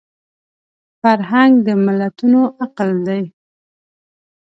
فرهنګ د ملتونو عقل دی